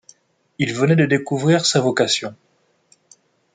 Il venait de découvrir sa vocation.